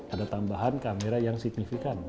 ada tambahan kamera yang signifikan